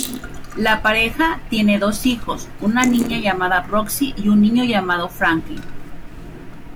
La pareja tiene dos hijos, una niña llamada Roxy, y un niño llamado Franklyn.